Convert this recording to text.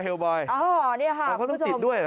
เขาต้องติดด้วยเหรอ